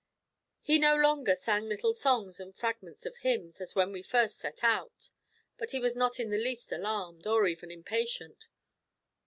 He no longer sang little songs and fragments of hymns, as when we first set out; but he was not in the least alarmed, or even impatient.